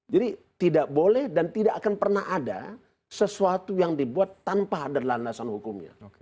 jadi tidak boleh dan tidak akan pernah ada sesuatu yang dibuat tanpa ada landasan hukumnya